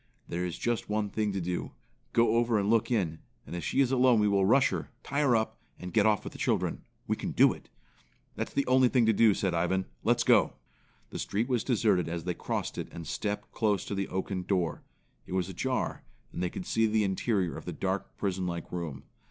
There is just one thing to do. Go over and look in; and if she is alone we will rush her, tie her up and get off with the children. We can do it." "That's the only thing to do," said Ivan. "Let's go." The street was deserted as they crossed it and stepped close to the oaken door. It was ajar, and they could see the interior of the dark, prison like room.